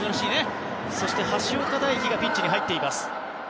そして橋岡大樹がピッチに入っています。